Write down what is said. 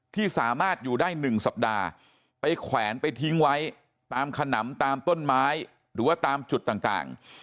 ที่สามารถอยู่ได้๑สัปดาห์ไปแขวนไปทิ้งไว้ตามขนำตามต้นไม้หรือว่าตามจุดต่าง